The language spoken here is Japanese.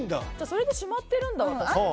それでしまってるんだ、私。